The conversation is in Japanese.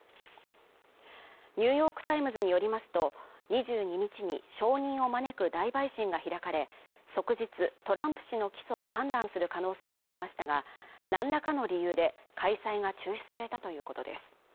「ニューヨーク・タイムズ」によりますと、２２日に証人を招く大陪審が開かれ即日トランプ氏の起訴を判断する可能性がありましたが、何らかの理由で開催が中止されたということです。